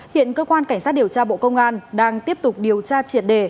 hiện cơ quan cảnh sát điều tra bộ công an đang tiếp tục điều tra triệt đề